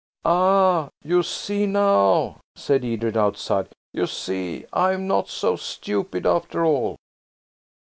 "Aha! you see now," said Edred outside. "You see I'm not so stupid after all."